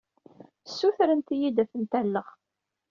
Ssutrent-iyi-d ad tent-alleɣ.